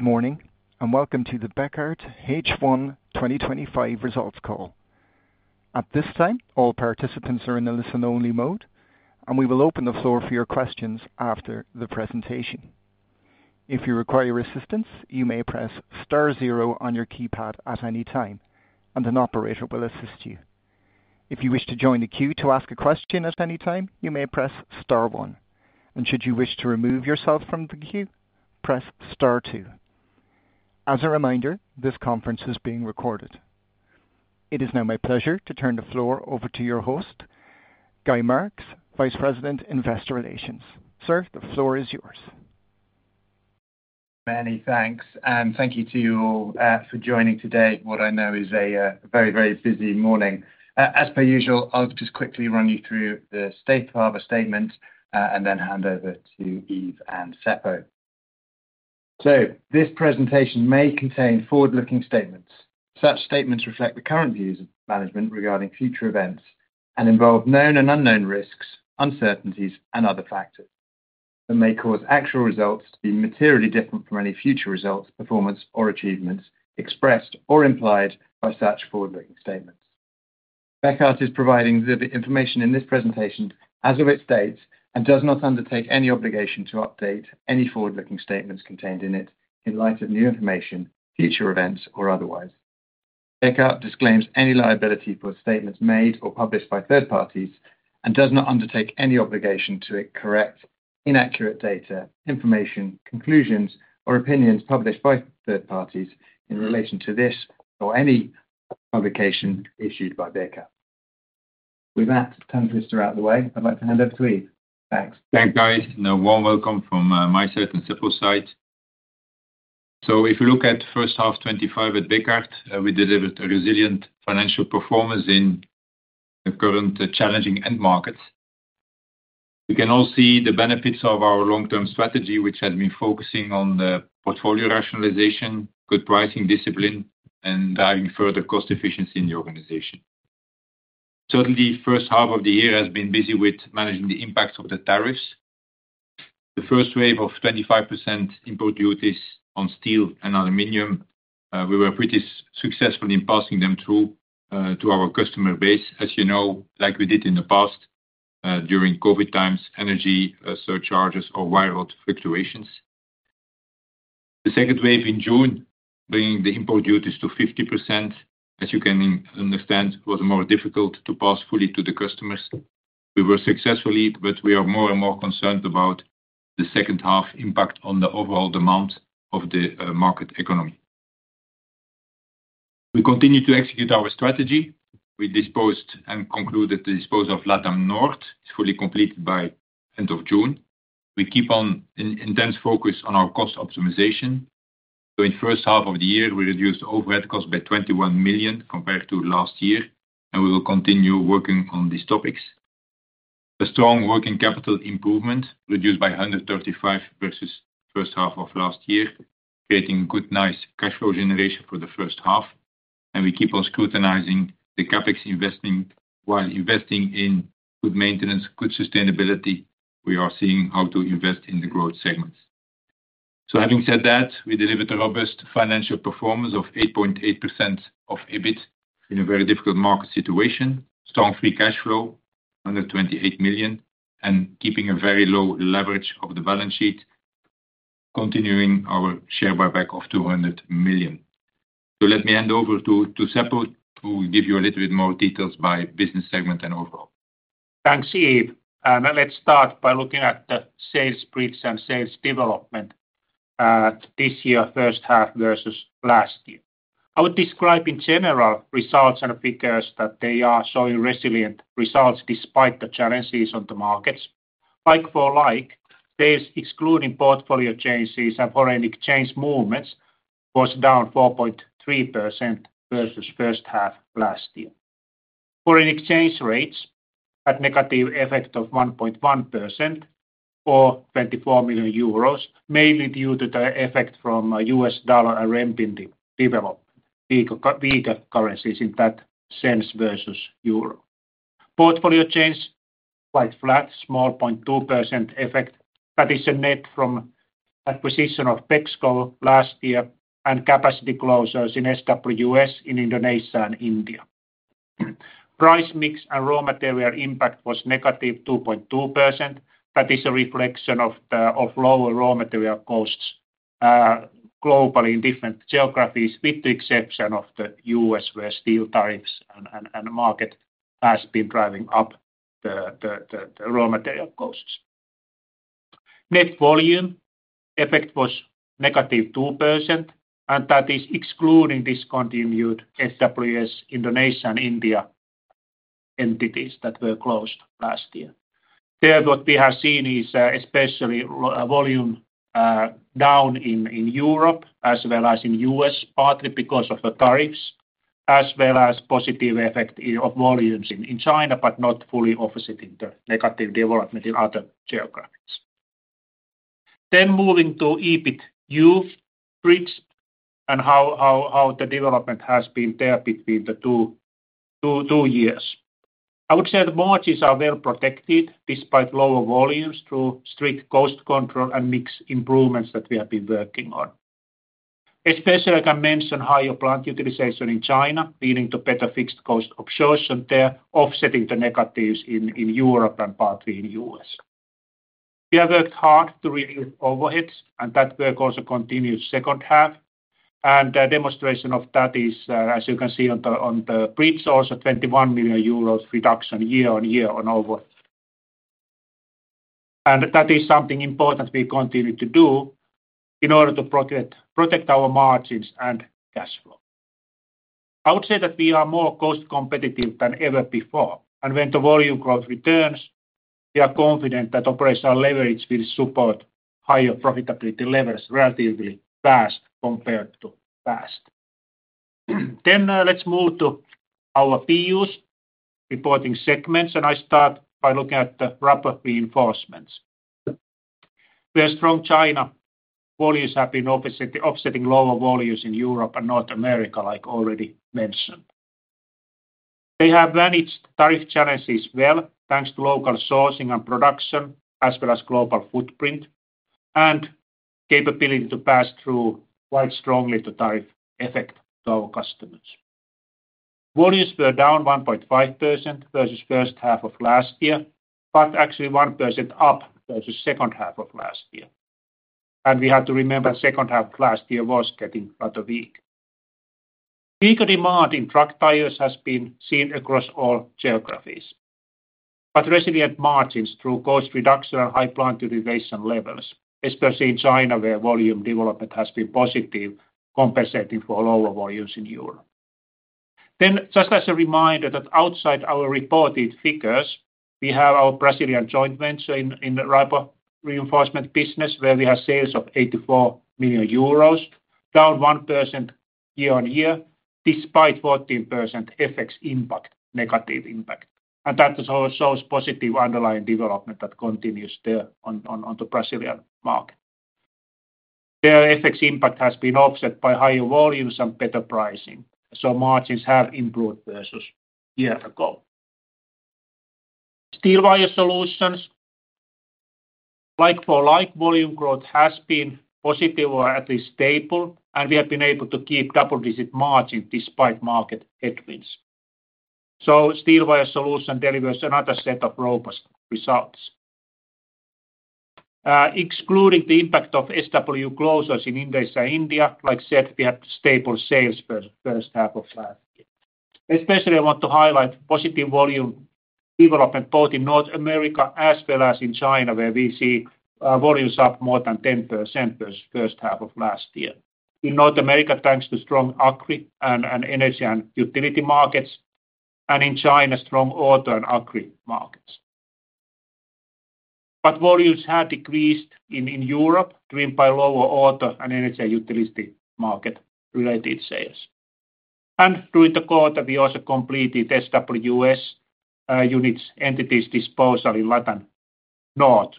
Morning, and welcome to the Bekaert H1 2025 results call. At this time, all participants are in a listen-only mode, and we will open the floor for your questions after the presentation. If you require assistance, you may press star zero on your keypad at any time, and an operator will assist you. If you wish to join the queue to ask a question at any time, you may press star one, and should you wish to remove yourself from the queue, press star two. As a reminder, this conference is being recorded. It is now my pleasure to turn the floor over to your host, Guy Marks, Vice President, Investor Relations. Sir, the floor is yours. Many thanks, and thank you to you all for joining today at what I know is a very, very busy morning. As per usual, I'll just quickly run you through the Safe Harbor statement and then hand over to Yves and Seppo. This presentation may contain forward-looking statements. Such statements reflect the current views of management regarding future events and involve known and unknown risks, uncertainties, and other factors. They may cause actual results to be materially different from any future results, performance, or achievements expressed or implied by such forward-looking statements. Bekaert is providing the information in this presentation as of its date and does not undertake any obligation to update any forward-looking statements contained in it in light of new information, future events, or otherwise. Bekaert disclaims any liability for statements made or published by third parties and does not undertake any obligation to correct inaccurate data, information, conclusions, or opinions published by third parties in relation to this or any publication issued by Bekaert. With that tongue-twister out of the way, I'd like to hand over to Yves. Thanks. Thanks, guys. A warm welcome from my side and Seppo's side. If you look at the first half of 2025 at Bekaert, we delivered a resilient financial performance in the current challenging end markets. You can all see the benefits of our long-term strategy, which has been focusing on the portfolio rationalization, good pricing discipline, and having further cost efficiency in the organization. Certainly, the first half of the year has been busy with managing the impacts of the tariffs. The first wave of 25% import duties on steel and aluminum, we were pretty successful in passing them through to our customer base, as you know, like we did in the past during COVID times, energy surcharges or wild fluctuations. The second wave in June, bringing the import duties to 50%, as you can understand, was more difficult to pass fully to the customers. We were successful, but we are more and more concerned about the second half's impact on the overall demands of the market economy. We continue to execute our strategy. We disposed and concluded the disposal of LATAM North. It's fully completed by the end of June. We keep on an intense focus on our cost optimization. During the first half of the year, we reduced overhead costs by $21 million compared to last year, and we will continue working on these topics. A strong working capital improvement, reduced by $135 million versus the first half of last year, creating good, nice cash flow generation for the first half. We keep on scrutinizing the CapEx investment. While investing in good maintenance, good sustainability, we are seeing how to invest in the growth segments. Having said that, we delivered a robust financial performance of 8.8% of EBIT in a very difficult market situation, strong free cash flow, under $28 million, and keeping a very low leverage of the balance sheet, continuing our share buyback of $200 million. Let me hand over to Seppo, who will give you a little bit more details by business segment and overall. Thanks, Yves. Now, let's start by looking at the sales briefs and sales development this year, first half versus last year. I would describe in general results and figures that they are showing resilient results despite the challenges on the markets. Like for like sales, excluding portfolio changes and foreign exchange movements, was down 4.3% versus the first half last year. Foreign exchange rates had a negative effect of 1.1% for 24 million euros, mainly due to the effect from U.S. dollar and [RMB development], weaker currencies in that sense versus euro. Portfolio change quite flat, small 0.2% effect. That is a net from acquisition of Pexco last year and capacity closures in SWS in Indonesia and India. Price mix and raw material impact was negative 2.2%. That is a reflection of lower raw material costs globally in different geographies, with the exception of the U.S. where steel tariffs and markets have been driving up the raw material costs. Net volume effect was -2%, and that is excluding discontinued SWS, Indonesia, and India entities that were closed last year. What we have seen is especially volume down in Europe as well as in the U.S., partly because of the tariffs, as well as a positive effect of volumes in China, but not fully opposite in the negative development in other geographies. Moving to EBIT, Yves, briefs and how the development has been there between the two years. I would say the margins are well protected despite lower volumes through strict cost control and mix improvements that we have been working on. Especially, I can mention higher plant utilization in China, leading to better fixed costs absorption there, offsetting the negatives in Europe and partly in the U.S. We have worked hard to reduce overheads, and that work also continues in the second half. The demonstration of that is, as you can see on the briefs, also 21 million euros reduction year-on-year on overhead. That is something important we continue to do in order to protect our margins and cash flow. I would say that we are more cost-competitive than ever before. When the volume growth returns, we are confident that operational leverage will support higher profitability levels relatively fast compared to past. Let's move to our PUs, reporting segments, and I start by looking at the rapid reinforcements. We are strong in China. Volumes have been offsetting lower volumes in Europe and North America, like already mentioned. They have managed tariff challenges well thanks to local sourcing and production, as well as global footprint and capability to pass through quite strongly to tariff effect to our customers. Volumes were down 1.5% versus the first half of last year, but actually 1% up versus the second half of last year. We have to remember the second half of last year was getting rather weak. Weaker demand in truck tires has been seen across all geographies, but resilient margins through cost reduction and high plant utilization levels, especially in China where volume development has been positive, compensating for lower volumes in Europe. Just as a reminder that outside our reported figures, we have our Brazilian joint venture in the rapid reinforcement business where we have sales of 84 million euros, down 1% year-on-year despite 14% FX impact, negative impact. That shows positive underlying development that continues there on the Brazilian market. The FX impact has been offset by higher volumes and better pricing, so margins have improved versus a year ago. Steel Wire Solutions, like for like, volume growth has been positive or at least stable, and we have been able to keep double-digit margins despite market headwinds. Steel Wire Solutions delivers another set of robust results. Excluding the impact of SW closures in Indonesia and India, like I said, we had stable sales for the first half of last year. Especially, I want to highlight positive volume development both in North America as well as in China, where we see volumes up more than 10% versus the first half of last year. In North America, thanks to strong agri and energy and utility markets, and in China, strong auto and agri markets. Volumes have decreased in Europe, driven by lower auto and energy and utility market-related sales. During the quarter, we also completed SWS units, entities disposal in LATAM North.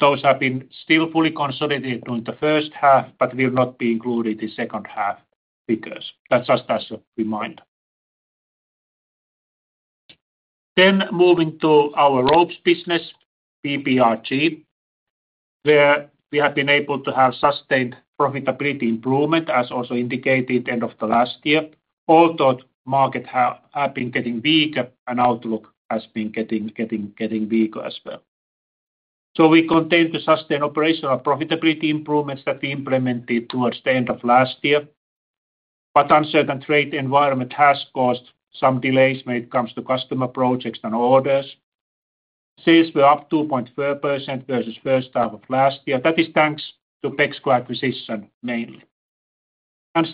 Those have been still fully consolidated during the first half, but will not be included in the second half figures. That is just as a reminder. Moving to our ropes business, BBRG, we have been able to have sustained profitability improvement, as also indicated at the end of last year, although the market has been getting weaker, and outlook has been getting weaker as well. We continue to sustain operational profitability improvements that we implemented towards the end of last year, but the uncertain trade environment has caused some delays when it comes to customer projects and orders. Sales were up 2.4% versus the first half of last year. That is thanks to the Pexco acquisition mainly.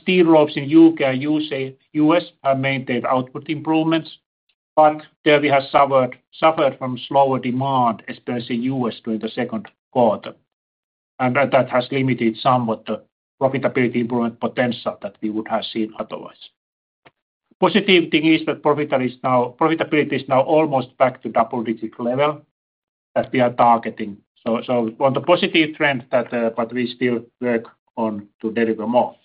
Steel ropes in the U.K. and the U.S. have maintained output improvements, but we have suffered from slower demand, especially in the U.S. during the second quarter. That has limited somewhat the profitability improvement potential that we would have seen otherwise. The positive thing is that profitability is now almost back to the double-digit level that we are targeting. We are on a positive trend, but we still work on to deliver more.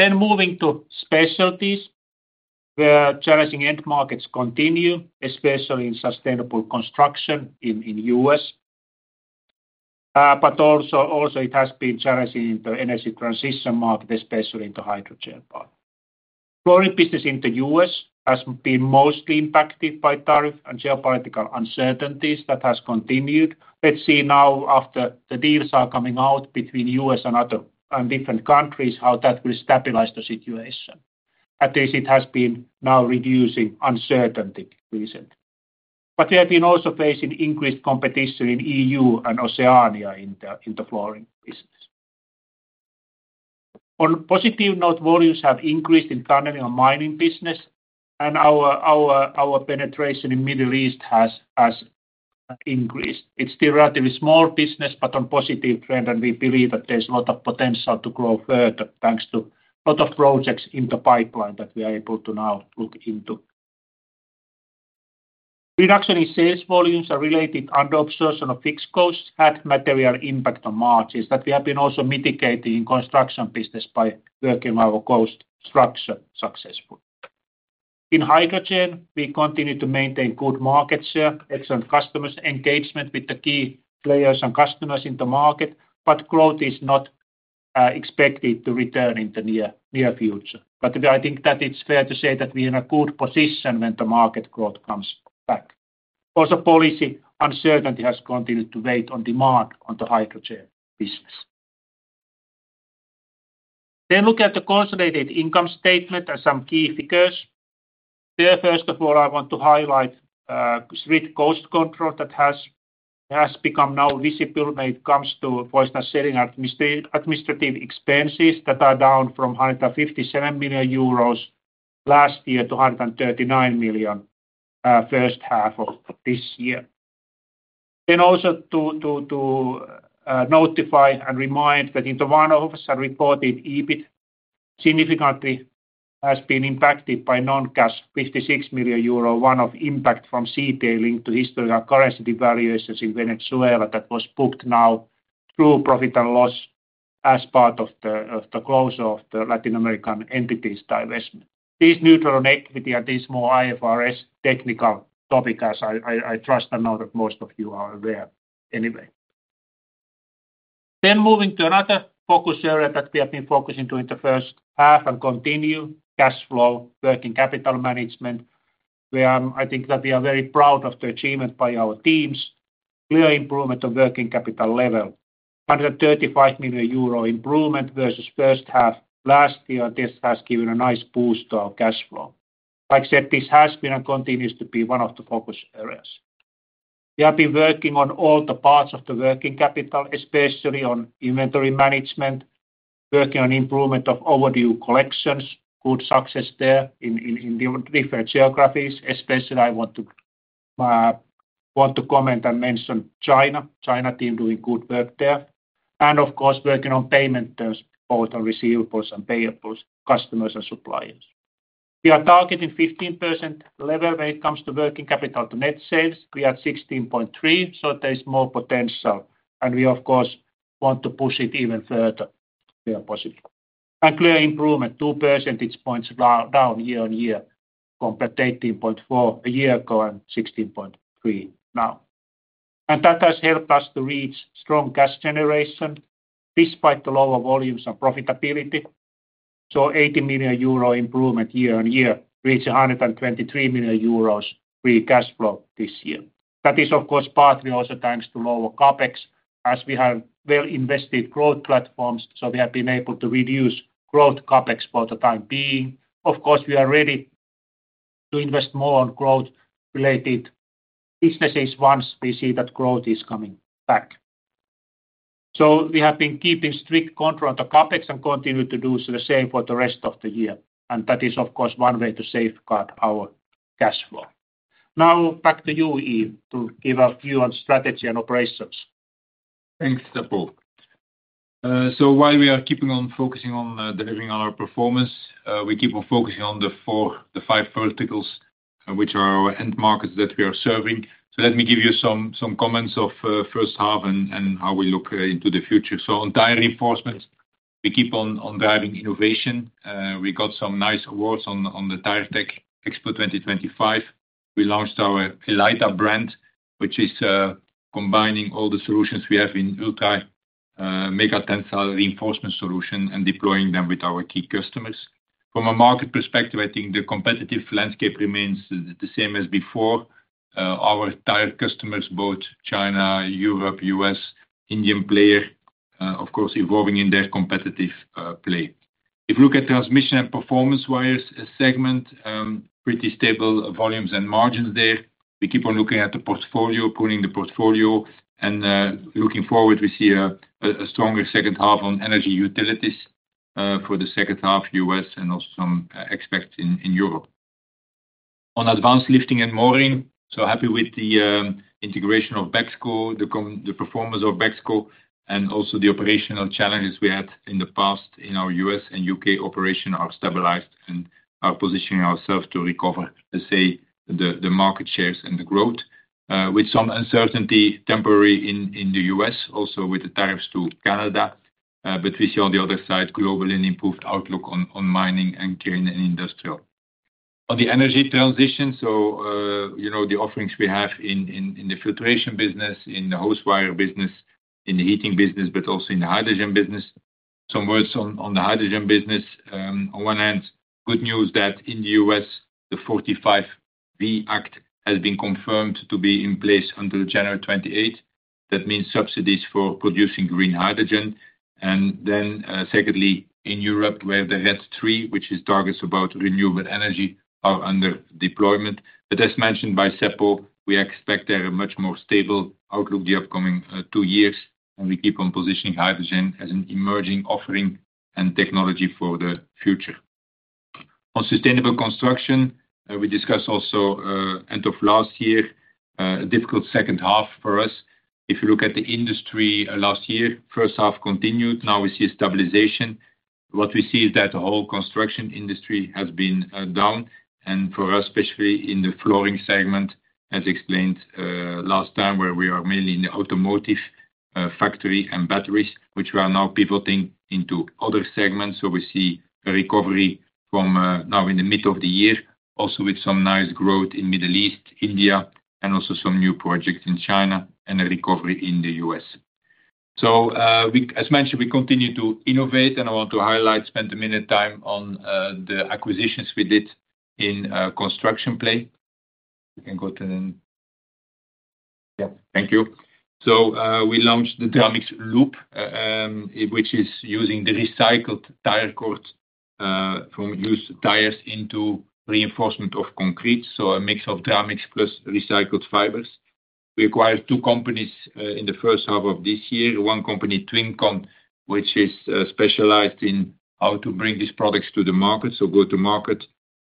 Moving to specialties, challenging end markets continue, especially in sustainable construction in the U.S., but it has also been challenging in the energy transition market, especially in the hydrogen part. The flooring business in the U.S. has been mostly impacted by tariffs and geopolitical uncertainties that have continued. Let's see now, after the deals are coming out between the U.S. and other different countries, how that will stabilize the situation. At least it has been reducing uncertainty recently. We have also been facing increased competition in the EU and Oceania in the flooring business. On a positive note, volumes have increased in the tunneling and mining business, and our penetration in the Middle East has increased. It's still a relatively small business, but on a positive trend, and we believe that there's a lot of potential to grow further thanks to a lot of projects in the pipeline that we are able to now look into. Reduction in sales volumes related to under-absorption of fixed costs had a material impact on margins that we have also been mitigating in the construction business by working on our cost structure successfully. In hydrogen, we continue to maintain good market share, excellent customer engagement with the key players and customers in the market, but growth is not expected to return in the near future. I think that it's fair to say that we are in a good position when the market growth comes back. Policy uncertainty has continued to weigh on demand in the hydrogen business. Now, look at the consolidated income statement and some key figures. First of all, I want to highlight strict cost control that has become now visible when it comes to forecasting administrative expenses that are down from 157 million euros last year to 139 million first half of this year. I also want to notify and remind that interval of reported EBIT significantly has been impacted by non-cash 56 million euro, one-off impact from settling to historical currency devaluations in Venezuela that was booked now through profit and loss as part of the closure of the Latin American entities' divestment. This is neutral on equity, and this is more IFRS technical topic, as I trust and know that most of you are aware anyway. Moving to another focus area that we have been focusing on during the first half and continue, cash flow, working capital management, where I think that we are very proud of the achievement by our teams, clear improvement on working capital level, 135 million euro improvement versus the first half last year, and this has given a nice boost to our cash flow. Like I said, this has been and continues to be one of the focus areas. We have been working on all the parts of the working capital, especially on inventory management, working on improvement of overdue collections, good success there in different geographies. Especially, I want to comment and mention China, China team doing good work there, and of course, working on payment terms, both on receivables and payables, customers and suppliers. We are targeting 15% level when it comes to working capital to net sales. We are at 16.3%, so there is more potential, and we, of course, want to push it even further to a clear positive and clear improvement, two percentage points down year-on-year, compared to 18.4% a year ago and 16.3% now. That has helped us to reach strong cash generation despite the lower volumes and profitability. 80 million euro improvement year on year reached 123 million euros free cash flow this year. That is, of course, partly also thanks to lower CapEx, as we have well-invested growth platforms, so we have been able to reduce growth CapEx for the time being. Of course, we are ready to invest more on growth-related businesses once we see that growth is coming back. We have been keeping strict control on the CapEx and continue to do the same for the rest of the year. That is, of course, one way to safeguard our cash flow. Now, back to you, Yves, to give a view on strategy and operations. Thanks, Seppo. While we are keeping on focusing on delivering on our performance, we keep on focusing on the five verticals which are our end markets that we are serving. Let me give you some comments of the first half and how we look into the future. On tire reinforcement, we keep on driving innovation. We got some nice awards at the Tire Tech Expo 2025. We launched our Elita brand, which is combining all the solutions we have in Ultei, make a tensile reinforcement solution and deploying them with our key customers. From a market perspective, I think the competitive landscape remains the same as before. Our tire customers, both China, Europe, U.S., Indian players, of course, evolving in their competitive play. If you look at transmission and performance wires segment, pretty stable volumes and margins there. We keep on looking at the portfolio, pruning the portfolio, and looking forward, we see a stronger second half on energy utilities for the second half, U.S., and also some aspects in Europe. On advanced lifting and mooring, happy with the integration of BEXCO, the performance of BEXCO, and also the operational challenges we had in the past in our U.S. and U.K. operations are stabilized and are positioning ourselves to recover, let's say, the market shares and the growth with some uncertainty temporary in the U.S., also with the tariffs to Canada. We see on the other side globally an improved outlook on mining and carrying in industrial. On the energy transition, you know the offerings we have in the filtration business, in the host wire business, in the heating business, but also in the hydrogen business. Some words on the hydrogen business. On one hand, good news that in the U.S., the 45B Act has been confirmed to be in place until January 2028. That means subsidies for producing green hydrogen. Secondly, in Europe, where the RED III, which is targets about renewable energy, are under deployment. As mentioned by Seppo, we expect there is a much more stable outlook the upcoming two years, and we keep on positioning hydrogen as an emerging offering and technology for the future. On sustainable construction, we discussed also the end of last year, a difficult second half for us. If you look at the industry last year, the first half continued. Now we see a stabilization. What we see is that the whole construction industry has been down, and for us, especially in the flooring segment, as explained last time, where we are mainly in the automotive factory and batteries, which we are now pivoting into other segments. We see a recovery from now in the middle of the year, also with some nice growth in the Middle East, India, and also some new projects in China and a recovery in the U.S. As mentioned, we continue to innovate, and I want to highlight, spend a minute time on the acquisitions we did in construction play. We launched the Dramix loop, which is using the recycled tire cords from used tires into reinforcement of concrete. A mix of Dramix plus recycled fibers. We acquired two companies in the first half of this year, one company, TwinCon, which is specialized in how to bring these products to the market, so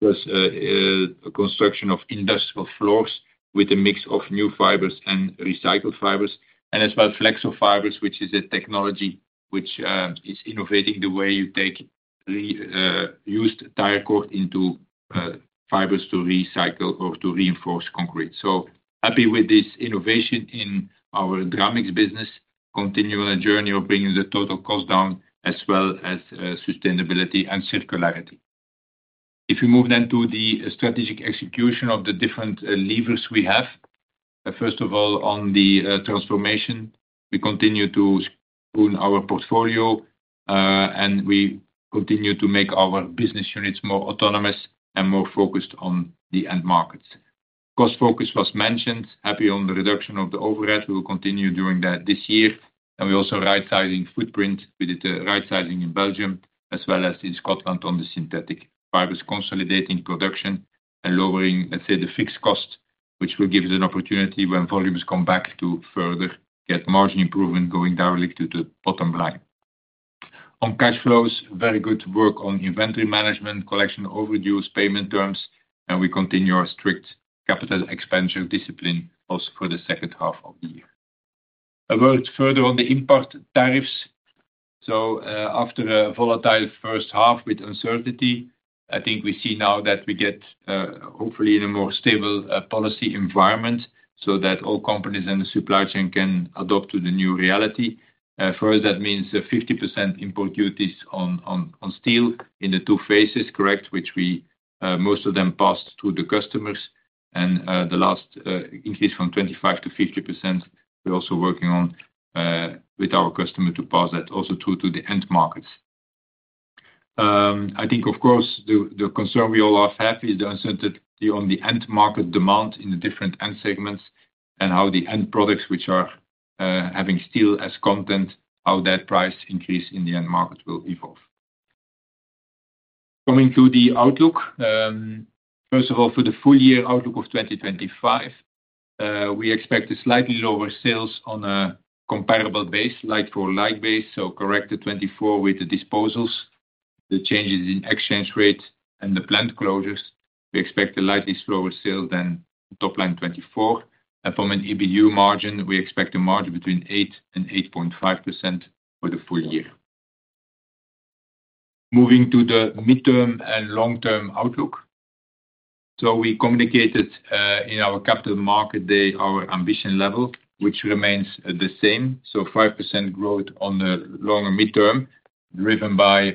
go-to-market, plus construction of industrial floors with a mix of new fibers and recycled fibers, and as well Flexo Fibers, which is a technology which is innovating the way you take used tire cord into fibers to recycle or to reinforce concrete. Happy with this innovation in our Dramix business, continuing a journey of bringing the total cost down as well as sustainability and circularity. If you move then to the strategic execution of the different levers we have. First of all, on the transformation, we continue to spoon our portfolio, and we continue to make our business units more autonomous and more focused on the end markets. Cost focus was mentioned. Happy on the reduction of the overhead. We will continue doing that this year. We also are right-sizing footprint. We did the right-sizing in Belgium as well as in Scotland on the synthetic fibers, consolidating production and lowering, let's say, the fixed cost, which will give us an opportunity when volumes come back to further get margin improvement going directly to the bottom line. On cash flows, very good work on inventory management, collection overdues, payment terms, and we continue our strict capital expenditure discipline also for the second half of the year. A word further on the import tariffs. After a volatile first half with uncertainty, I think we see now that we get hopefully in a more stable policy environment so that all companies and the supply chain can adopt to the new reality. For us, that means 50% import duties on steel in the two phases, correct, which we, most of them, passed through the customers. The last increase from 25%-50%, we're also working on with our customer to pass that also through to the end markets. Of course, the concern we all have is the uncertainty on the end market demand in the different end segments and how the end products, which are having steel as content, how that price increase in the end market will evolve. Coming to the outlook, first of all, for the full year outlook of 2025, we expect a slightly lower sales on a comparable base, like for like base. Correct the 2024 with the disposals, the changes in exchange rate, and the planned closures. We expect a slightly slower sale than the top line 2024. From an EBIT margin, we expect a margin between 8% and 8.5% for the full year. Moving to the mid-term and long-term outlook, we communicated in our capital market day our ambition level, which remains the same. 5% growth on the long and mid-term, driven by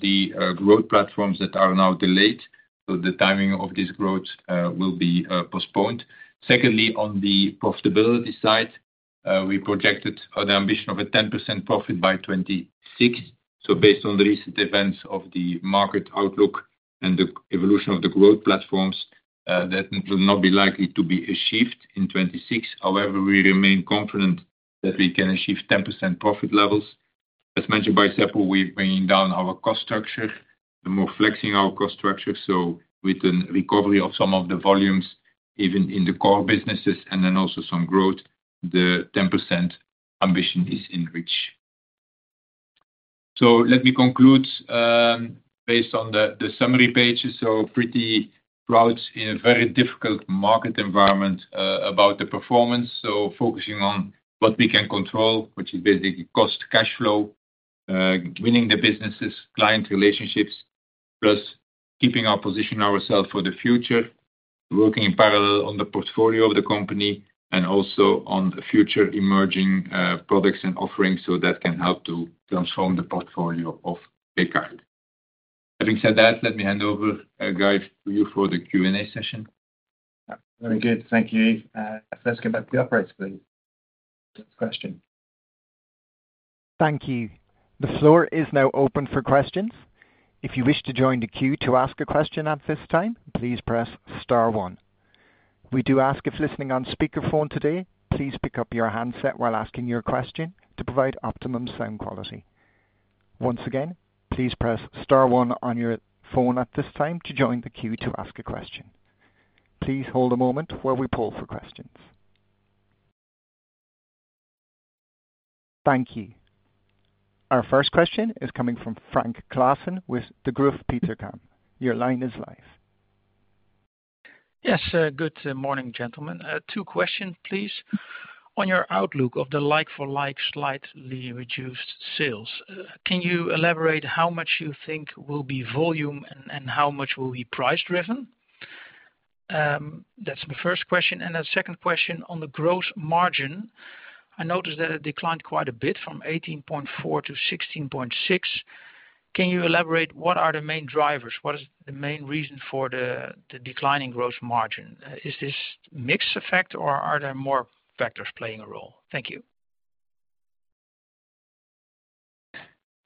the growth platforms that are now delayed. The timing of this growth will be postponed. On the profitability side, we projected an ambition of a 10% profit by 2026. Based on the recent events of the market outlook and the evolution of the growth platforms, that will not be likely to be achieved in 2026. However, we remain confident that we can achieve 10% profit levels. As mentioned by Seppo, we're bringing down our cost structure, more flexing our cost structure. With a recovery of some of the volumes, even in the core businesses, and then also some growth, the 10% ambition is in reach. Let me conclude based on the summary pages. Pretty robust in a very difficult market environment about the performance. Focusing on what we can control, which is basically cost, cash flow, winning the businesses, client relationships, plus keeping our position ourselves for the future, working in parallel on the portfolio of the company and also on future emerging products and offerings that can help to transform the portfolio of Bekaert. Having said that, let me hand over, Guy, to you for the Q&A session. Very good. Thank you, Yves. Let's go back to the uprights, please. Question. Thank you. The floor is now open for questions. If you wish to join the queue to ask a question at this time, please press star one. We do ask if listening on speakerphone today, please pick up your handset while asking your question to provide optimum sound quality. Once again, please press star one on your phone at this time to join the queue to ask a question. Please hold a moment while we poll for questions. Thank you. Our first question is coming from Frank Claassen with Degroof Petercam. Your line is live. Yes, good morning, gentlemen. Two questions, please. On your outlook of the like for like slightly reduced sales, can you elaborate how much you think will be volume and how much will be price driven? That's my first question. The second question, on the gross margin, I noticed that it declined quite a bit from 18.4%-16.6%. Can you elaborate what are the main drivers? What is the main reason for the declining gross margin? Is this a mix effect or are there more factors playing a role? Thank you.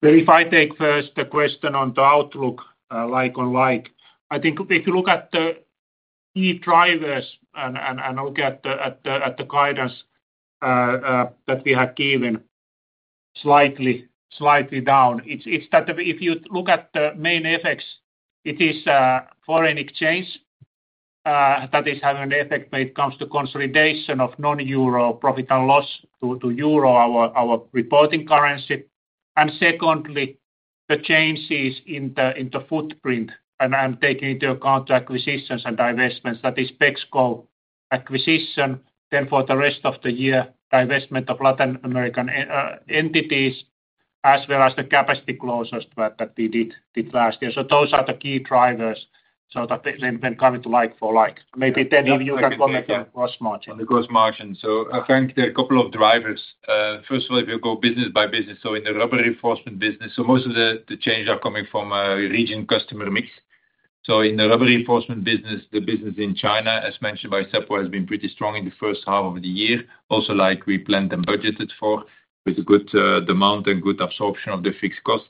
If I take first the question on the outlook, like for like, I think if you look at the key drivers and look at the guidance that we have given, slightly down. It's that if you look at the main effects, it is foreign exchange that is having an effect when it comes to consolidation of non-Euro profit and loss to Euro, our reporting currency. Secondly, the changes in the footprint and taking into account the acquisitions and divestments, that is Pexco acquisition. For the rest of the year, divestment of Latin American entities, as well as the capacity closures that we did last year. Those are the key drivers, when coming to like for like. Maybe then you can comment on the gross margin. On the gross margin. Frank, there are a couple of drivers. First of all, if you go business by business, in the rubber reinforcement business, most of the changes are coming from a region customer mix. In the rubber reinforcement business, the business in China, as mentioned by Seppo, has been pretty strong in the first half of the year, like we planned and budgeted for with good demand and good absorption of the fixed cost.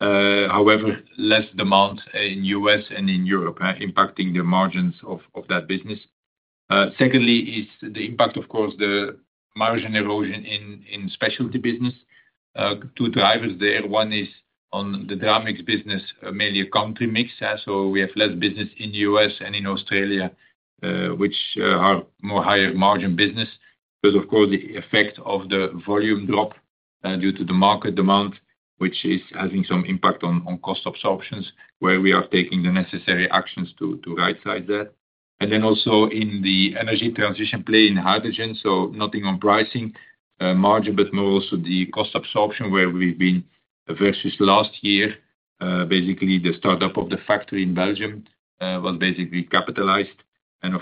However, less demand in the U.S. and in Europe is impacting the margins of that business. Secondly, there is the impact, of course, of margin erosion in the specialty business. Two drivers there. One is on the Dramix business, mainly a country mix. We have less business in the U.S. and in Australia, which are higher margin business. Because the effect of the volume drop due to the market demand is having some impact on cost absorptions, we are taking the necessary actions to right-size that. Also, in the energy transition play in hydrogen, there is nothing on pricing margin, but more on the cost absorption where we've been versus last year. Basically, the startup of the factory in Belgium was capitalized, and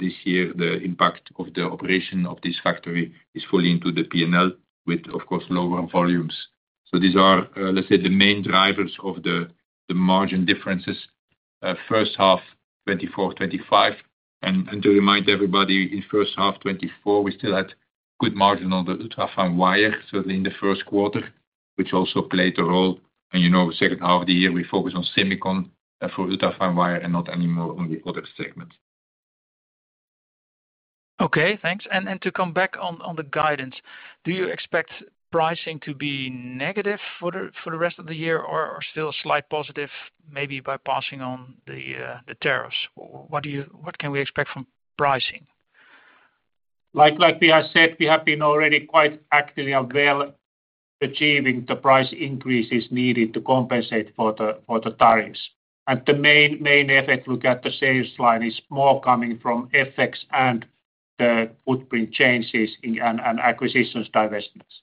this year, the impact of the operation of this factory is fully into the P&L with lower volumes. These are the main drivers of the margin differences, first half 2024, 2025. To remind everybody, in first half 2024, we still had good margin on the ultrafine wire, certainly in the first quarter, which also played a role. In the second half of the year, we focused on semicon for ultrafine wire and not anymore on the other segments. Okay, thanks. To come back on the guidance, do you expect pricing to be negative for the rest of the year or still a slight positive, maybe by passing on the tariffs? What can we expect from pricing? Like we have said, we have been already quite actively and well achieving the price increases needed to compensate for the tariffs. The main effect, look at the sales line, is more coming from FX and the footprint changes in acquisitions divestments.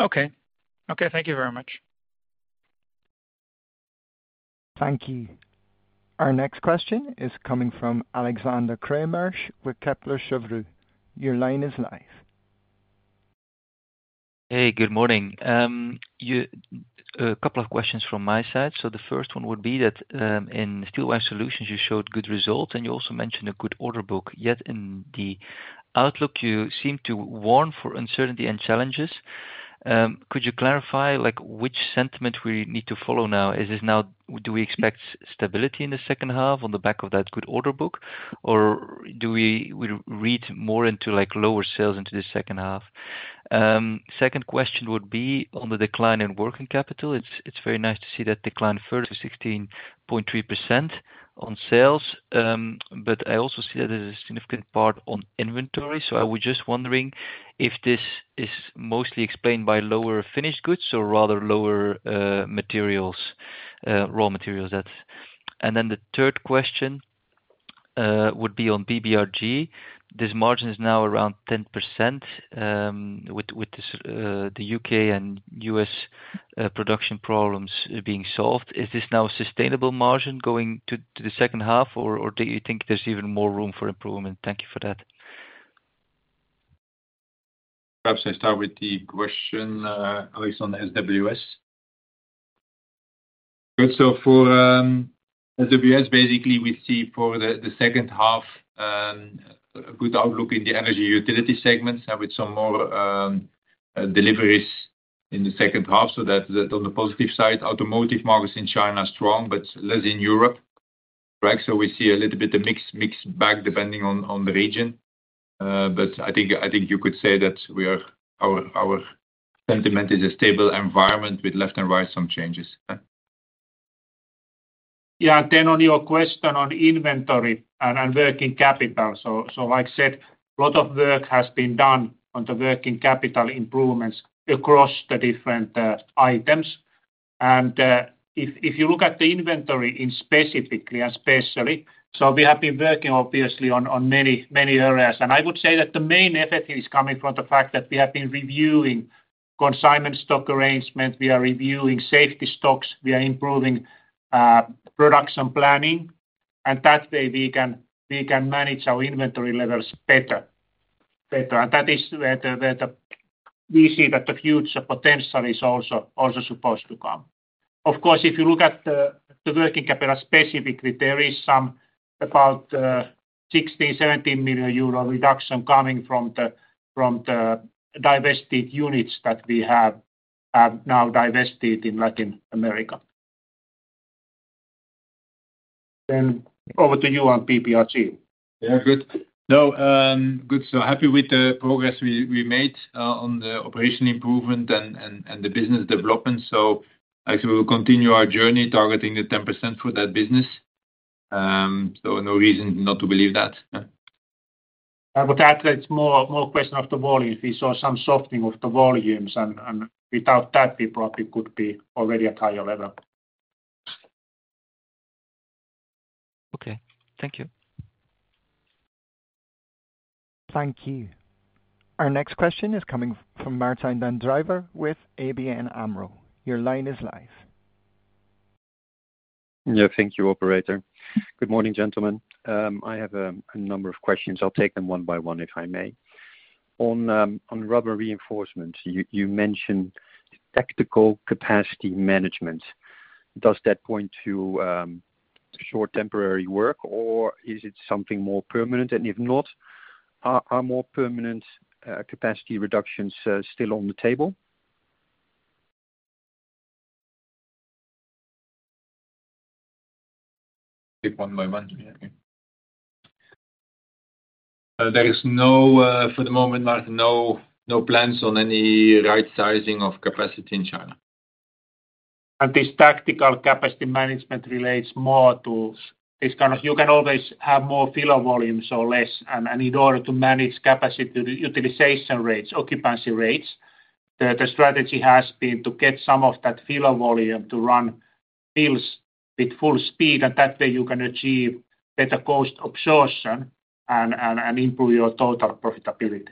Okay. Okay, thank you very much. Thank you. Our next question is coming from Alexander Craeymeersch with Kepler Cheuvreux. Your line is live. Hey, good morning. A couple of questions from my side. The first one would be that in Steel Wire Solutions, you showed good results and you also mentioned a good order book. Yet in the outlook, you seem to warn for uncertainty and challenges. Could you clarify which sentiment we need to follow now? Do we expect stability in the second half on the back of that good order book, or do we read more into lower sales into the second half? Second question would be on the decline in working capital. It's very nice to see that decline further to 16.3% on sales, but I also see that there's a significant part on inventory. I was just wondering if this is mostly explained by lower finished goods or rather lower raw materials. The third question would be on BBRG. This margin is now around 10% with the U.K. and U.S. production problems being solved. Is this now a sustainable margin going to the second half, or do you think there's even more room for improvement? Thank you for that. Perhaps I start with the question, Alex, on SWS. For SWS, basically, we see for the second half a good outlook in the energy utility segments with some more deliveries in the second half. That's on the positive side. Automotive markets in China are strong, but less in Europe. We see a little bit of a mixed bag depending on the region. I think you could say that our sentiment is a stable environment with left and right some changes. Yeah. On your question on inventory and working capital, like I said, a lot of work has been done on the working capital improvements across the different items. If you look at the inventory specifically, we have been working on many, many areas. I would say that the main effort is coming from the fact that we have been reviewing consignment stock arrangements, reviewing safety stocks, and improving production planning. That way, we can manage our inventory levels better. That is where we see that the future potential is also supposed to come. Of course, if you look at the working capital specifically, there is about 16 million euro, 17 million euro reduction coming from the divested units that we have now divested in Latin America. Over to you on BBRG. Yeah, good. No, good. Happy with the progress we made on the operation improvement and the business development. Actually, we'll continue our journey targeting the 10% for that business. No reason not to believe that. That is more a question of the volume. If we saw some softening of the volumes, without that, we probably could be already at a higher level. Okay. Thank you. Thank you. Our next question is coming from Martijn Den Drijver with ABN AMRO. Your line is live. No, thank you, operator. Good morning, gentlemen. I have a number of questions. I'll take them one by one, if I may. On rubber reinforcement, you mentioned tactical capacity management. Does that point to short temporary work, or is it something more permanent? If not, are more permanent capacity reductions still on the table? Take one moment. There is no, for the moment, Martijn, no plans on any right-sizing of capacity in China. This tactical capacity management relates more to this kind of you can always have more filler volumes or less. In order to manage capacity utilization rates, occupancy rates, the strategy has been to get some of that filler volume to run fills with full speed. That way, you can achieve better cost absorption and improve your total profitability.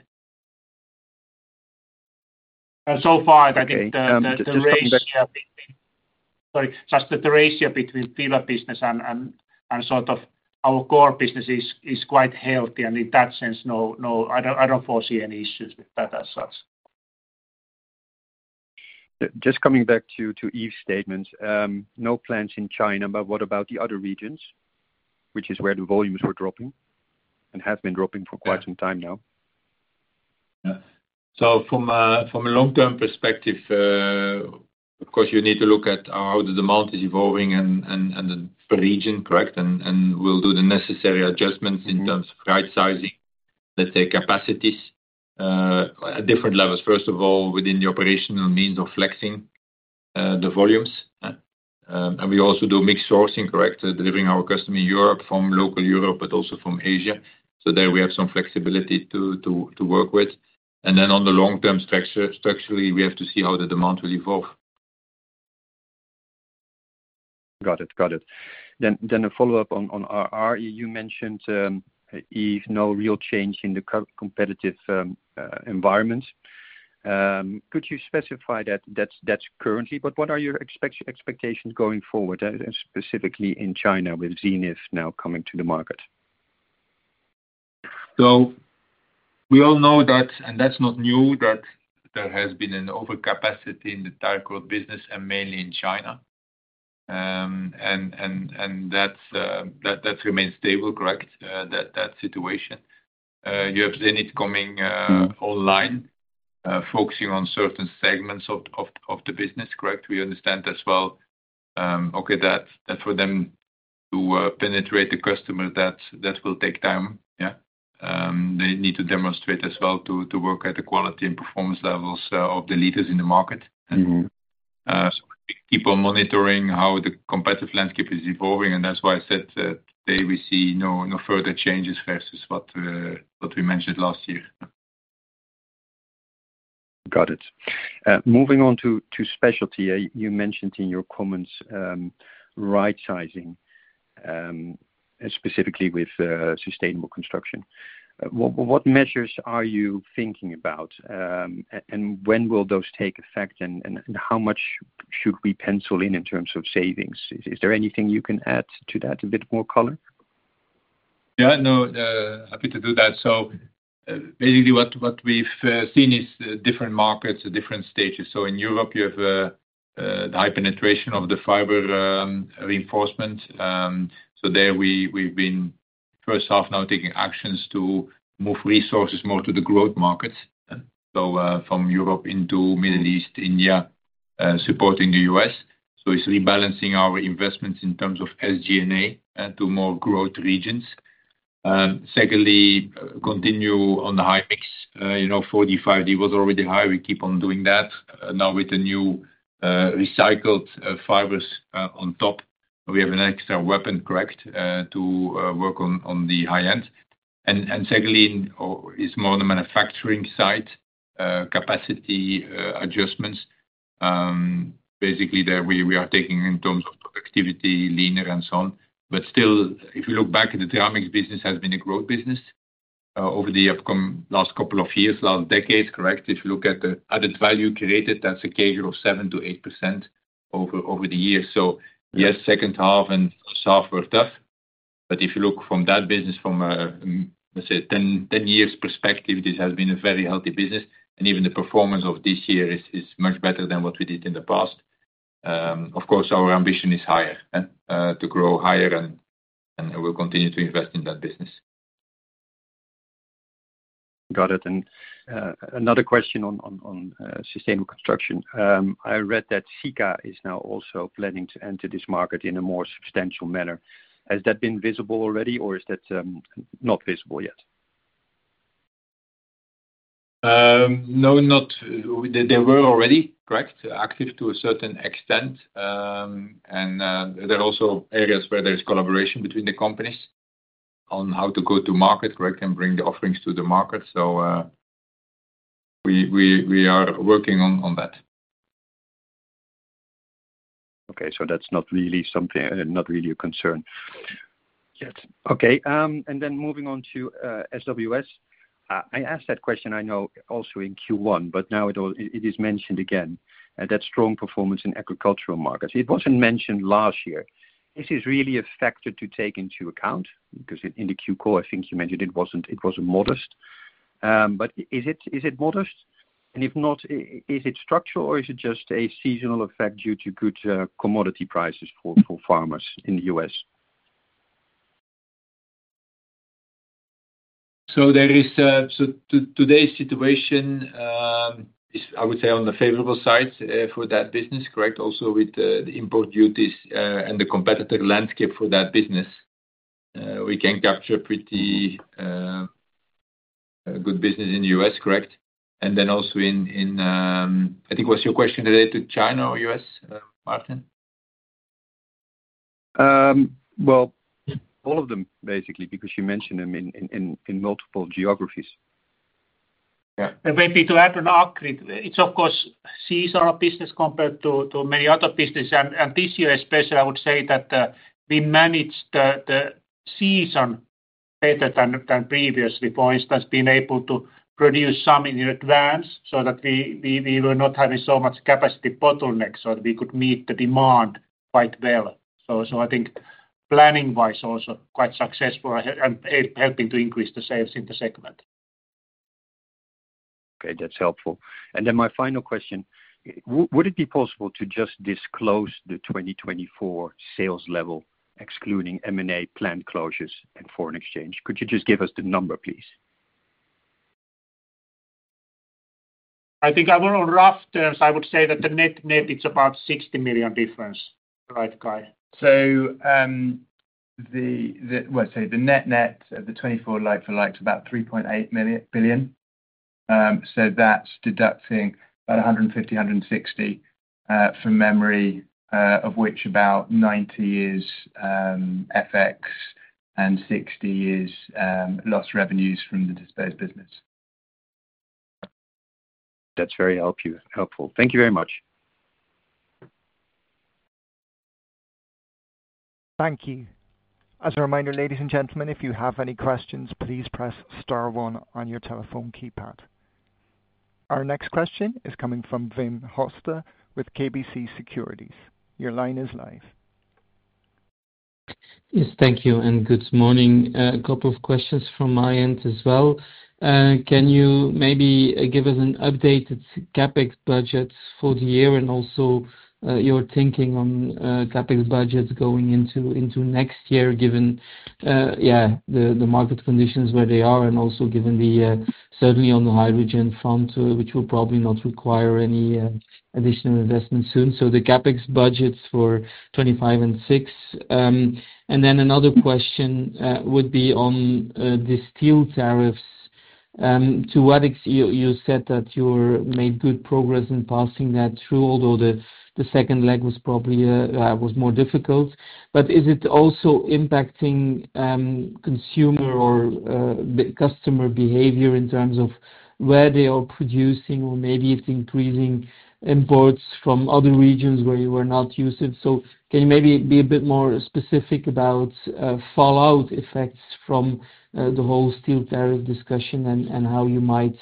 I think the ratio between filler, sorry, just the ratio between filler business and sort of our core business is quite healthy. In that sense, no, I don't foresee any issues with that as such. Just coming back to Yves' statements, no plans in China, but what about the other regions, which is where the volumes were dropping and have been dropping for quite some time now? From a long-term perspective, of course, you need to look at how the demand is evolving and the region, correct? We'll do the necessary adjustments in terms of right-sizing, let's say, capacities at different levels. First of all, within the operational means of flexing the volumes. We also do mixed sourcing, correct? Delivering our customer in Europe from local Europe, but also from Asia. There we have some flexibility to work with. On the long-term structure, structurally, we have to see how the demand will evolve. Got it. Got it. A follow-up on RE. You mentioned, Yves, no real change in the competitive environment. Could you specify that that's currently, but what are your expectations going forward, specifically in China with Zenith now coming to the market? We all know that, and that's not new, that there has been an overcapacity in the tire cord business and mainly in China. That remains stable, correct? That situation. You have Zenith coming online, focusing on certain segments of the business, correct? We understand as well, okay, that for them to penetrate the customer, that will take time. They need to demonstrate as well to work at the quality and performance levels of the leaders in the market. We keep on monitoring how the competitive landscape is evolving. That's why I said that today we see no further changes versus what we mentioned last year. Got it. Moving on to specialty, you mentioned in your comments right-sizing, specifically with sustainable construction. What measures are you thinking about? When will those take effect? How much should we pencil in in terms of savings? Is there anything you can add to that, a bit more color? Yeah, no, happy to do that. Basically, what we've seen is different markets, different stages. In Europe, you have the high penetration of the fiber reinforcement. There we've been, first half, now taking actions to move resources more to the growth markets, from Europe into the Middle East, India, supporting the U.S. It's rebalancing our investments in terms of SG&A to more growth regions. Secondly, continue on the high mix. You know, 45D was already high. We keep on doing that. Now with the new recycled fibers on top, we have an extra weapon, correct, to work on the high end. Secondly, it's more on the manufacturing side, capacity adjustments. Basically, there we are taking in terms of productivity, leaner, and so on. Still, if you look back, the Dramix business has been a growth business over the last couple of years, last decades, correct? If you look at the added value created, that's a CAGR of 7%-8% over the years. Yes, second half and first half were tough. If you look from that business, from a, let's say, a 10-year perspective, this has been a very healthy business. Even the performance of this year is much better than what we did in the past. Of course, our ambition is higher to grow higher, and we'll continue to invest in that business. Got it. Another question on sustainable construction. I read that Sika is now also planning to enter this market in a more substantial manner. Has that been visible already, or is that not visible yet? No, not. They were already, correct, active to a certain extent. There are also areas where there is collaboration between the companies on how to go to market, correct, and bring the offerings to the market. We are working on that. Okay. That's not really something, not really a concern. Moving on to SWS, I asked that question, I know, also in Q1, but now it is mentioned again, that strong performance in agricultural markets. It wasn't mentioned last year. Is this really a factor to take into account? In Q4, I think you mentioned it wasn't modest. Is it modest? If not, is it structural, or is it just a seasonal effect due to good commodity prices for farmers in the U.S.? There is today's situation, I would say, on the favorable side for that business, correct? Also, with the import duties and the competitive landscape for that business, we can capture a pretty good business in the U.S., correct? Also, I think, was your question related to China or U.S., Martijn? All of them, basically, because you mentioned them in multiple geographies. Yeah, maybe to add on accurate, it's, of course, a seasonal business compared to many other businesses. This year, especially, I would say that we managed the season better than previously. For instance, being able to produce some in advance so that we were not having so much capacity bottleneck, so that we could meet the demand quite well. I think planning-wise also quite successful and helping to increase the sales in the segment. Okay, that's helpful. My final question, would it be possible to just disclose the 2024 sales level, excluding M&A, planned closures, and foreign exchange? Could you just give us the number, please? I think on rough terms, I would say that net net, it's about $60 million difference, right, Guy? The net net of the 2024 like-for-like is about 3.8 billion. That's deducting about 150, 160, from memory, of which about 90 is FX and 60 is lost revenues from the disposed business. That's very helpful. Thank you very much. Thank you. As a reminder, ladies and gentlemen, if you have any questions, please press star one on your telephone keypad. Our next question is coming from Wim Hoste with KBC Securities. Your line is live. Yes, thank you, and good morning. A couple of questions from my end as well. Can you maybe give us an updated CapEx budget for the year and also your thinking on CapEx budgets going into next year, given the market conditions where they are and also given the, certainly, on the hydrogen front, which will probably not require any additional investment soon. The CapEx budgets for 2025 and 2026. Another question would be on the steel tariffs. To what extent you said that you made good progress in passing that through, although the second leg was probably more difficult. Is it also impacting consumer or customer behavior in terms of where they are producing or maybe it's increasing imports from other regions where you were not used to? Can you maybe be a bit more specific about fallout effects from the whole steel tariff discussion and how you might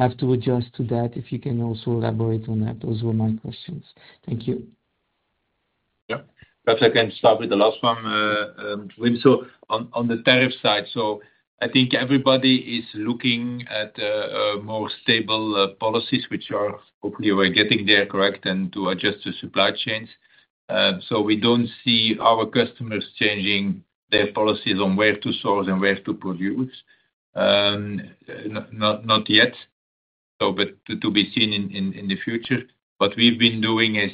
have to adjust to that? If you can also elaborate on that, those were my questions. Thank you. Yeah. Perhaps I can start with the last one, Wim. On the tariff side, I think everybody is looking at more stable policies, which are hopefully we're getting there, correct, and to adjust to supply chains. We don't see our customers changing their policies on where to source and where to produce. Not yet, to be seen in the future. What we've been doing is,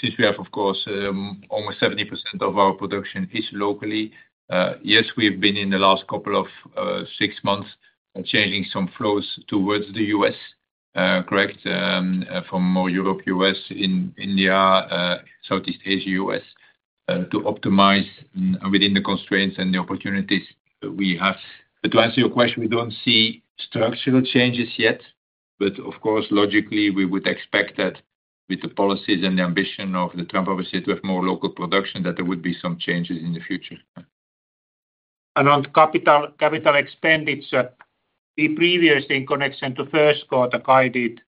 since we have, of course, almost 70% of our production is locally, we've been in the last couple of six months changing some flows towards the U.S., correct, from more Europe, U.S., India, Southeast Asia, U.S., to optimize within the constraints and the opportunities we have. To answer your question, we don't see structural changes yet. Of course, logically, we would expect that with the policies and the ambition of Trump, obviously, to have more local production, that there would be some changes in the future. On capital expenditure, we previously, in connection to the first quarter, Guy did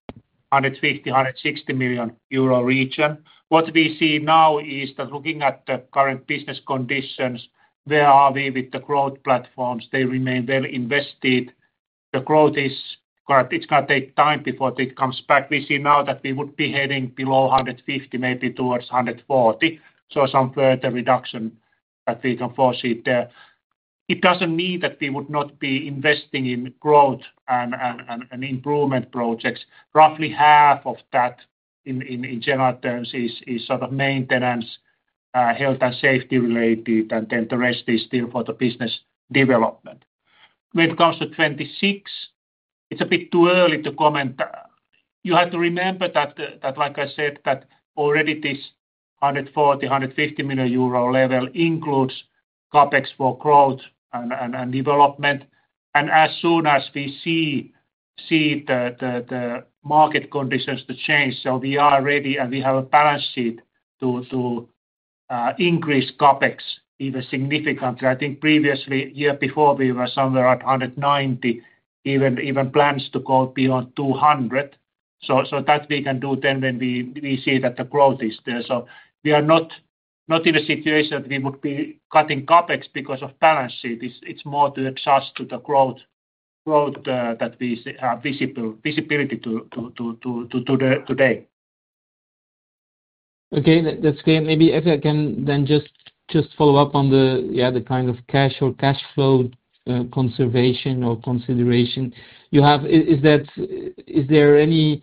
150 million euro, EUR 160 million region. What we see now is that looking at the current business conditions, where are we with the growth platforms? They remain well invested. The growth is, correct, it's going to take time before it comes back. We see now that we would be heading below 150 million, maybe towards 140 million. Some further reduction that we can foresee there. It doesn't mean that we would not be investing in growth and improvement projects. Roughly half of that, in general terms, is sort of maintenance, health and safety related, and then the rest is still for the business development. When it comes to 2026, it's a bit too early to comment. You have to remember that, like I said, that already this 140 million euro, 150 million euro level includes CapEx for growth and development. As soon as we see the market conditions change, we are ready and we have a balance sheet to increase CapEx even significantly. I think previously, a year before, we were somewhere at 190 million, even plans to go beyond 200 million. That we can do when we see that the growth is there. We are not in a situation that we would be cutting CapEx because of balance sheet. It's more to adjust to the growth that we have visibility to today. Okay. That's great. Maybe if I can then just follow up on the, yeah, the kind of cash or cash flow conservation or consideration you have. Is there any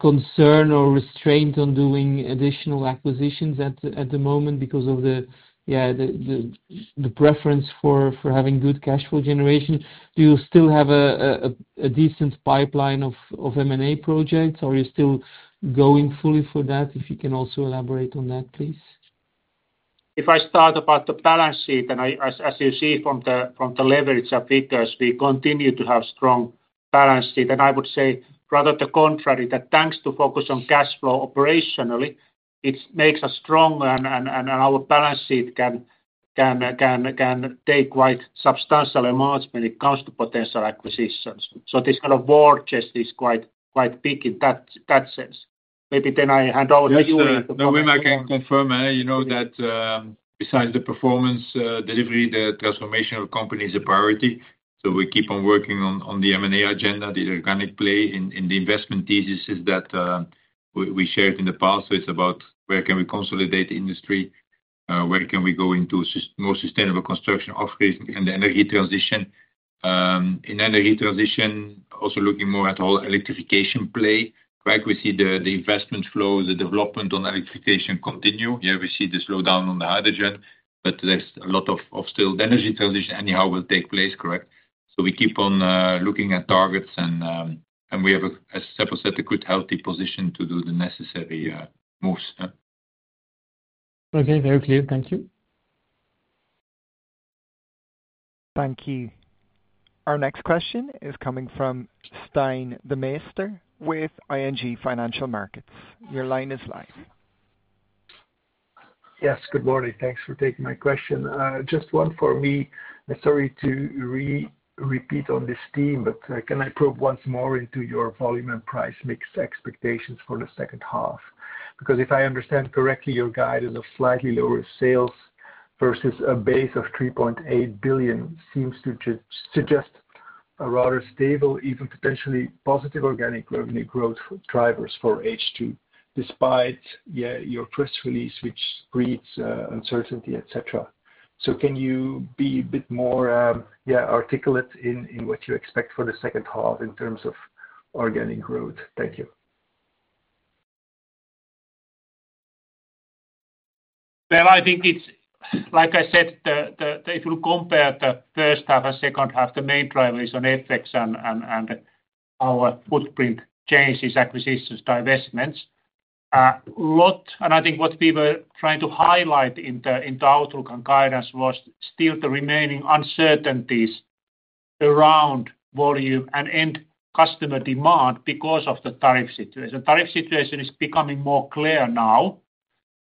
concern or restraint on doing additional acquisitions at the moment because of the, yeah, the preference for having good cash flow generation? Do you still have a decent pipeline of M&A projects, or are you still going fully for that? If you can also elaborate on that, please. If I start about the balance sheet, and as you see from the leverage figures, we continue to have a strong balance sheet. I would say rather the contrary, that thanks to focus on cash flow operationally, it makes us stronger, and our balance sheet can take quite substantial amounts when it comes to potential acquisitions. This kind of war chest is quite big in that sense. Maybe then I hand over to you. Maybe I can confirm that besides the performance delivery, the transformation of the company is a priority. We keep on working on the M&A agenda, the organic play in the investment thesis that we shared in the past. It's about where can we consolidate the industry, where can we go into more sustainable construction, off-grid, and the energy transition. In energy transition, also looking more at the whole electrification play, right? We see the investment flows, the development on electrification continue. We see the slowdown on the hydrogen, but there's a lot of still the energy transition anyhow will take place, correct? We keep on looking at targets, and we have a separate set of good healthy positions to do the necessary moves. Okay, very clear. Thank you. Thank you. Our next question is coming from Stijn Demeester with ING Financial Markets. Your line is live. Yes, good morning. Thanks for taking my question. Just one for me. Sorry to repeat on this theme, but can I probe once more into your volume and price mix expectations for the second half? If I understand correctly, your guidance of slightly lower sales versus a base of $3.8 billion seems to suggest a rather stable, even potentially positive organic revenue growth drivers for H2 despite your twist release, which breeds uncertainty, etc. Can you be a bit more articulate in what you expect for the second half in terms of organic growth? Thank you. I think it's, like I said, if you compare the first half and second half, the main driver is on FX and our footprint changes, acquisitions, divestments. A lot, and I think what we were trying to highlight in the outlook and guidance was still the remaining uncertainties around volume and end customer demand because of the tariff situation. The tariff situation is becoming more clear now.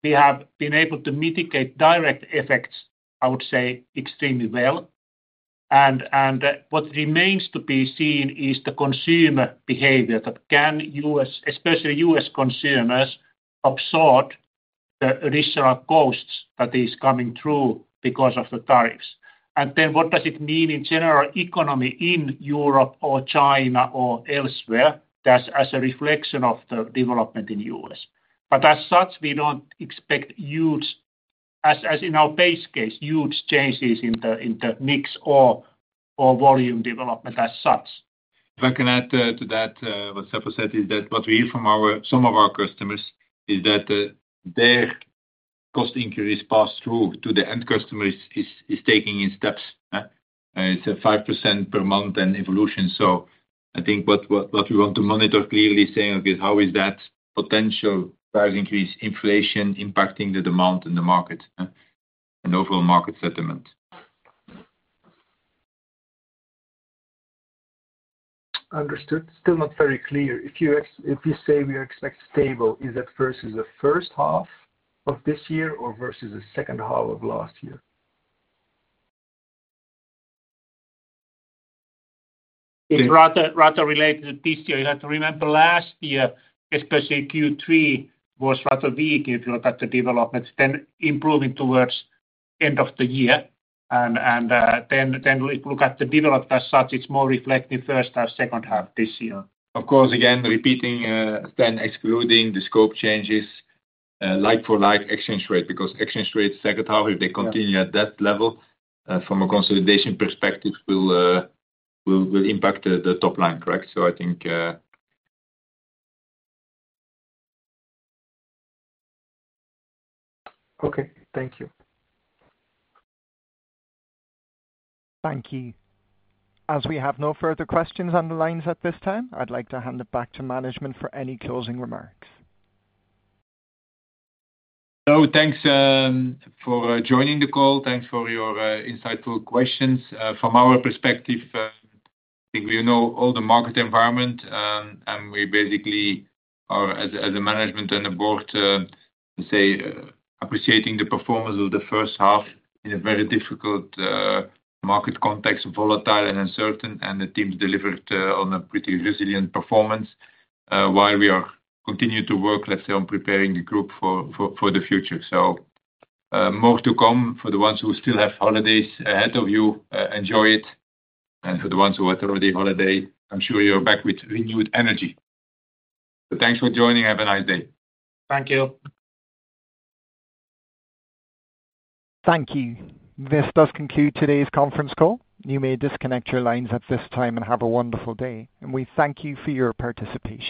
We have been able to mitigate direct effects, I would say, extremely well. What remains to be seen is the consumer behavior—can U.S., especially U.S. consumers, absorb the additional costs that are coming through because of the tariffs? What does it mean in general economy in Europe or China or elsewhere as a reflection of the development in the U.S.? As such, we don't expect huge, as in our base case, huge changes in the mix or volume development as such. If I can add to that, what Seppo said is that what we hear from some of our customers is that their cost increase passed through to the end customers is taking in steps. It's a 5% per month evolution. I think what we want to monitor clearly is saying, okay, how is that potential price increase, inflation impacting the demand in the market and overall market sentiment? Understood. Still not very clear. If you say we expect stable, is that versus the first half of this year or versus the second half of last year? It's rather related to this year. You have to remember last year, especially Q3, was rather weak if you look at the development, then improving towards the end of the year. If you look at the development as such, it's more reflecting first half, second half this year. Of course, again, repeating, excluding the scope changes, like-for-like exchange rate, because exchange rate second half, if they continue at that level, from a consolidation perspective, will impact the top line, correct? I think. Okay, thank you. Thank you. As we have no further questions on the lines at this time, I'd like to hand it back to management for any closing remarks. So, thanks for joining the call. Thanks for your insightful questions. From our perspective, I think we know all the market environment, and we basically are, as a management and a board, appreciating the performance of the first half in a very difficult market context, volatile and uncertain. The teams delivered on a pretty resilient performance while we continue to work on preparing the group for the future. More to come for the ones who still have holidays ahead of you. Enjoy it. For the ones who had already holiday, I'm sure you're back with renewed energy. Thanks for joining. Have a nice day. Thank you. Thank you. This does conclude today's conference call. You may disconnect your lines at this time and have a wonderful day. We thank you for your participation.